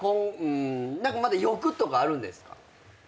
まだ欲とかあるんですか？